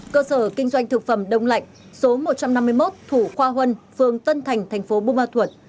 cơ sở kinh doanh thực phẩm đông lạnh số một trăm năm mươi một thủ khoa huân phường tân thành thành phố bù ma thuật